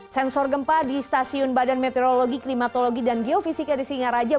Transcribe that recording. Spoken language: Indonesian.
sensor gempa di stasiun badan meteorologi klimatologi dan geofisika di singaraja